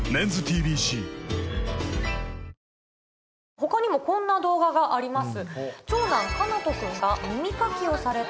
他にもこんな動画があります。